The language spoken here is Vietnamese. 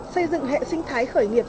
xây dựng hệ sinh thái khởi nghiệp